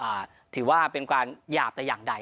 ถือว่าเป็นการหยาบแต่อย่างใด